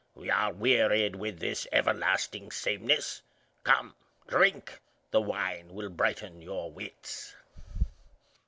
We are wearied with this everlasting sameness. Come, drink! the wine will brighten your wits."